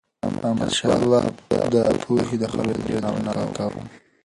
احمدشاه بابا به د پوهې د خلکو ډېر درناوی کاوه.